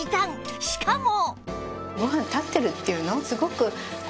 しかも！